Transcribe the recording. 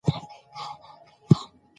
د کولمو اختلالات د رواني ناروغیو خطر زیاتوي.